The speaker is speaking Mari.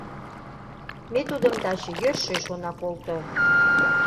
Ме тудым таче йӧршеш она колто.